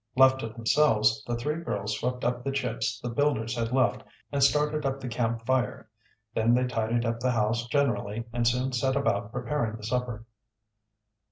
Left to themselves, the three girls swept up the chips the builders had left and started up the camp fire. Then they tidied up the house generally, and soon set about preparing the supper.